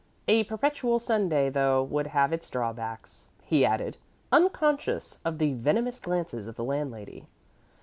A perpetual Sunday, though, would have its drawbacks," he added, unconscious of the venomous glances of the landlady.